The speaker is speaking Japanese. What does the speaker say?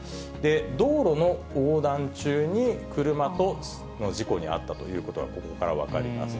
道路の横断中に車との事故に遭ったということは、ここから分かります。